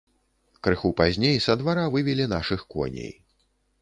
Крыху пазней са двара вывелі нашых коней.